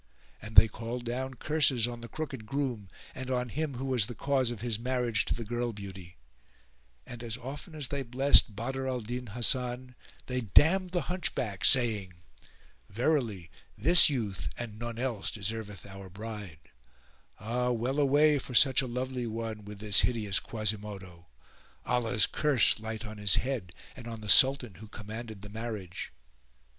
and they called down curses on the crooked groom and on him who was the cause of his marriage to the girl beauty; and as often as they blessed Badr al Din Hasan they damned the Hunchback, saying, "Verily this youth and none else deserveth our Bride: Ah, well away for such a lovely one with this hideous Quasimodo; Allah's curse light on his head and on the Sultan who commanded the marriage!"